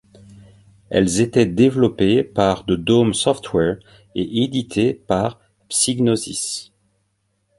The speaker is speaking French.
Elles étaient développées par The Dome Software et éditées par Psygnosis.